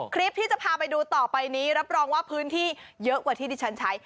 คลิปที่จะพาไปดูต่อไปนี้รับรองว่าพื้นที่เยอะกว่าที่ดิฉันใช้